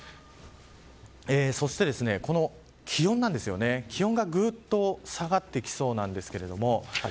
そして、この気温なんですが下がってきそうなんです。